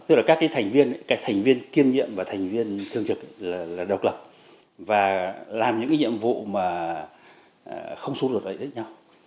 tức là các thành viên kiên nhiệm và thành viên thường trực là độc lập và làm những nhiệm vụ không xuất luật